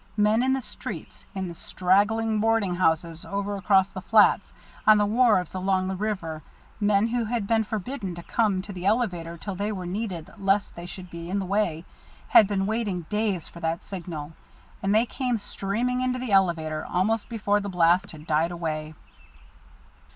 Men in the streets, in the straggling boarding houses over across the flats, on the wharves along the river, men who had been forbidden to come to the elevator till they were needed lest they should be in the way, had been waiting days for that signal, and they came streaming into the elevator almost before the blast had died away.